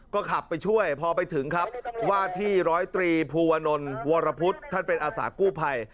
ก็ขับไปช่วยพอไปถึงครับว่าที่ร้อยตรีภูวนลวรพุทธท่านเป็นอาสากู้ภัย